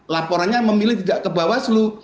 laporannya memilih tidak ke bawaslu